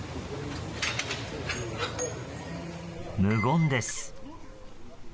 無言です。